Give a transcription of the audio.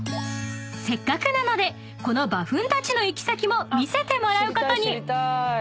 ［せっかくなのでこの馬ふんたちの行き先も見せてもらうことに］